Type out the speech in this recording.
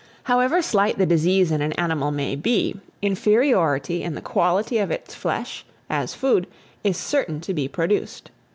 However slight the disease in an animal may be, inferiority in the quality of its flesh, as food, is certain to be produced.